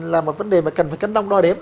là một vấn đề mà cần phải cấn đong đo đếm đấy